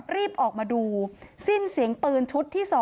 รีบออกมาดูสิ้นเสียงปืนชุดที่๒